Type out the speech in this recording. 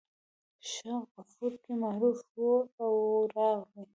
په غفور کې معروف واو راغلی.